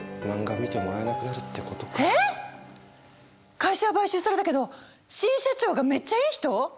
会社は買収されたけど新社長がめっちゃいい人？